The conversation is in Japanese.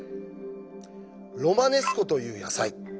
ロマネスコという野菜。